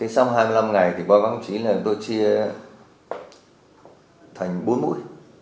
sau hai mươi năm ngày qua báo chí là tôi chia thành bốn mũi